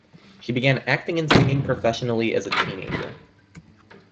She began acting and singing professionally as a teenager.